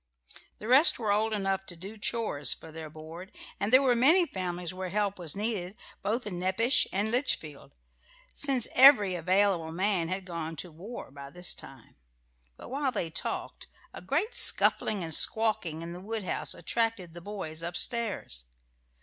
The rest were old enough to "do chores" for their board, and there were many families where help was needed, both in Nepash and Litchfield, since every available man had gone to the war by this time. But while they talked a great scuffling and squawking in the woodhouse attracted the boys upstairs.